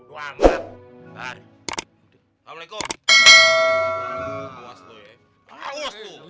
banget bentar assalamualaikum